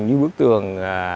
như bức tường